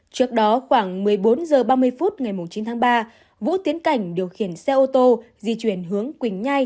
trước đó khoảng một mươi bốn h ba mươi phút ngày chín tháng ba vũ tiến cảnh điều khiển xe ô tô di chuyển hướng quỳnh nhai